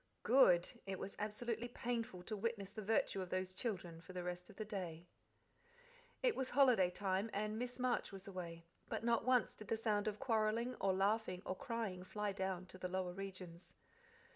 GOOD! It was absolutely painful to witness the virtue of those children for the rest of the day. It was holiday time, and Miss Marsh was away, but not once did the sound of quarrelling, or laughing, or crying fly down to the lower regions.